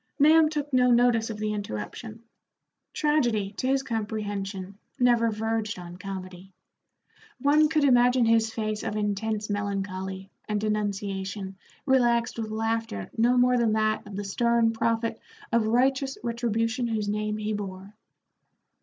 Nahum took no notice of the interruption. Tragedy, to his comprehension, never verged on comedy. One could imagine his face of intense melancholy and denunciation relaxed with laughter no more than that of the stern prophet of righteous retribution whose name he bore.